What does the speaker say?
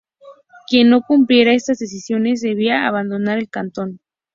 Quien no cumpliera estas decisiones, debía abandonar el cantón.